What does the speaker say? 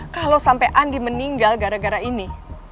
kalo sampe andi meninggal gara gara ini